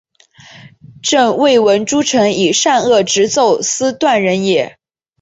朕未闻诸臣以善恶直奏斯断人也！